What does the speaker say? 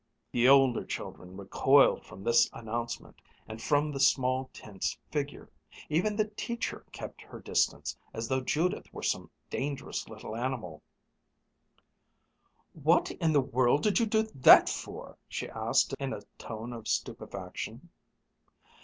The older children recoiled from this announcement, and from the small, tense figure. Even the teacher kept her distance, as though Judith were some dangerous little animal, "What in the world did you do that for?" she asked in a tone of stupefaction.